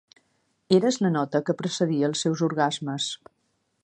Eres la nota que precedia els seus orgasmes.